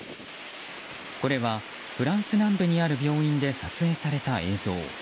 これはフランス南部にある病院で撮影された映像。